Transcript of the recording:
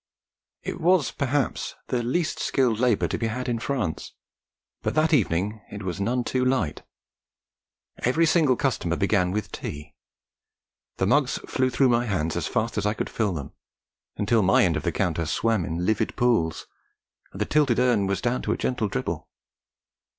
It was, perhaps, the least skilled labour to be had in France, but that evening it was none too light. Every single customer began with tea: the mugs flew through my hands as fast as I could fill them, until my end of the counter swam in livid pools, and the tilted urn was down to a gentle dribble.